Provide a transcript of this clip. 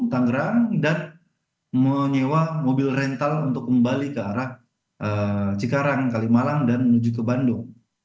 tangerang dan menyewa mobil rental untuk kembali ke arah cikarang kalimalang dan menuju ke bandung